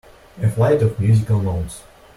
A flight of musical notes.